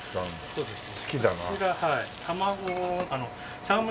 そうですね。